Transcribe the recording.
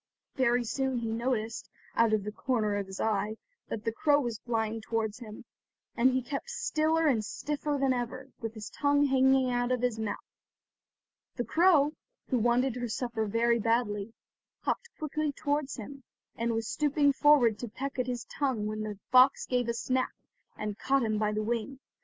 Very soon he noticed, out of the corner of his eye, that the crow was flying towards him, and he kept stiller and stiffer than ever, with his tongue hanging out of his mouth. The crow, who wanted her supper very badly, hopped quickly towards him, and was stooping forward to peck at his tongue when the fox gave a snap, and caught him by the wing.